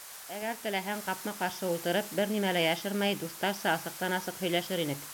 Әгәр теләһәң, ҡапма-ҡаршы ултырып, бер нимә лә йәшермәй, дуҫтарса асыҡтан-асыҡ һөйләшер инек.